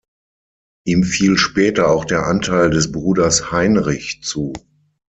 Ihm fiel später auch der Anteil des Bruders Heinrich zu.